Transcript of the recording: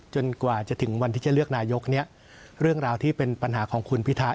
กว่าจะถึงวันที่จะเลือกนายกเนี่ยเรื่องราวที่เป็นปัญหาของคุณพิทักษ